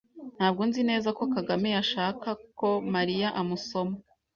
Ntabwo nzi neza ko Kagame yashaka ko Mariya amusoma.